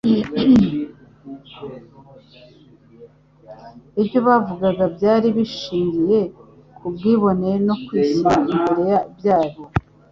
Ibyo bavugaga byari bishingiye ku bwibone no kwishyira imbere byabo.